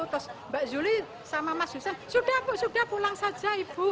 terus mbak zuli sama mas hussein sudah bu sudah pulang saja ibu